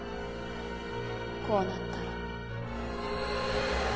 こうなったら。